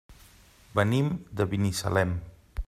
Venim de Binissalem.